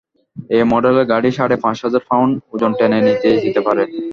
এই মডেলের গাড়ি সাড়ে পাঁচ হাজার পাউন্ড ওজন টেনে নিতে যেতে পারে।